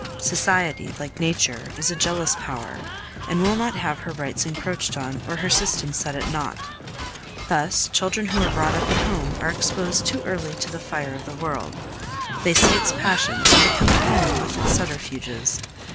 Society, like nature, is a jealous power, and will have not her rights encroached on, or her system set at naught. Thus, children who are brought up at home are exposed too early to the fire of the world; they see its passions and become at home with its subterfuges.